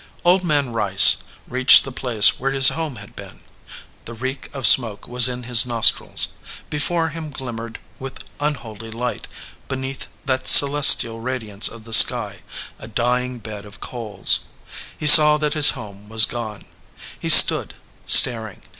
Old Man Rice reached the place where his home had been. The reek of smoke was in his nostrils. Before him glimmered with unholy light, beneath that celestial radiance of the sky, a dying bed of coals. He saw that his home was gone. He stood staring.